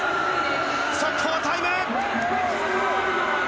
速報タイム。